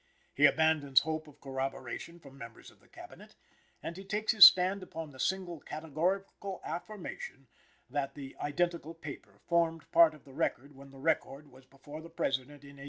He abandons hope of corroboration from members of the Cabinet, and he takes his stand upon the single categorical affirmation, that the "identical paper" formed part of the record when the record was before the President in 1865.